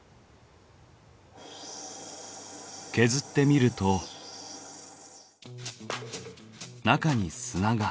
削ってみると中に砂が。